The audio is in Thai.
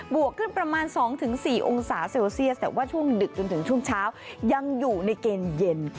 วกขึ้นประมาณ๒๔องศาเซลเซียสแต่ว่าช่วงดึกจนถึงช่วงเช้ายังอยู่ในเกณฑ์เย็น